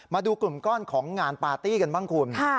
มาดูกลุ่มก้อนของงานปาร์ตี้กันบ้างคุณ